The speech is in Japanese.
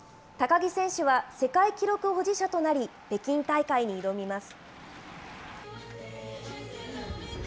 高木選手は世界記録保持者となり、北京大会に挑みます。